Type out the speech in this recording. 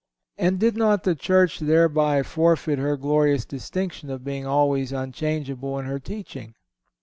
And did not the Church thereby forfeit her glorious distinction of being always unchangeable in her teaching?